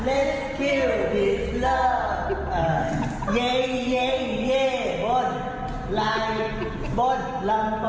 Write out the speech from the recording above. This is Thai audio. เอสเกี่วติ๊ฟเลอร์